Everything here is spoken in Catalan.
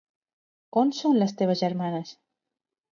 On són les teves germanes?